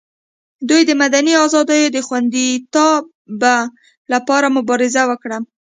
دوی د مدني ازادیو د خوندیتابه لپاره مبارزه وکړي.